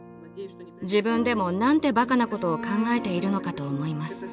自分でも何てバカなことを考えているのかと思います。